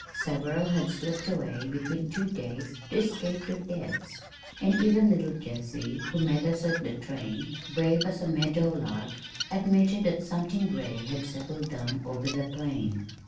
Several had slipped away "between two days" to escape their debts, and even little Jessie, who met us at the train, brave as a meadow lark, admitted that something gray had settled down over the plain.